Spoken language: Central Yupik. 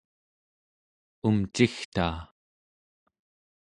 umcigtaa